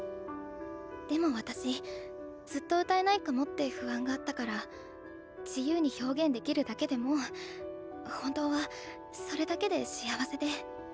でも私ずっと歌えないかもって不安があったから自由に表現できるだけでもう本当はそれだけで幸せで。